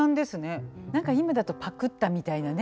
何か今だとパクったみたいなね